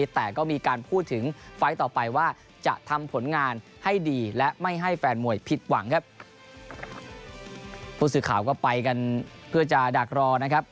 ทำผลงานให้ดีและไม่ให้แฟนมวยผิดหวังครับผู้สื่อข่าวก็ไปกันเพื่อจะดักรอนะครับ